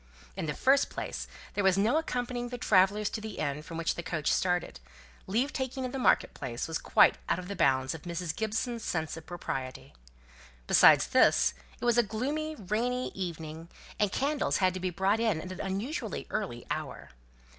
In the first place, there was no accompanying the travellers to the inn from which the coach started; leave taking in the market place was quite out of the bounds of Mrs. Gibson's sense of propriety. Besides this, it was a gloomy, rainy evening, and candles had to be brought in at an unusually early hour.